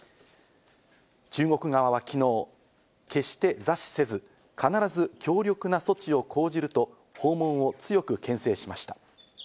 中国側は昨日、決して座視せず、必ず強力な措置を講じると訪問を強くけん制しました。